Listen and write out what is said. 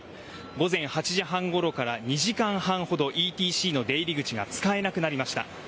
午前８時半ごろから２時間半ほどＥＴＣの出入り口が使えなくなりました。